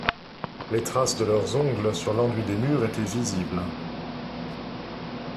Les traces de leurs ongles sur l'enduit des murs étaient visibles.